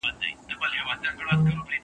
چي عزت ساتلای نه سي د بګړیو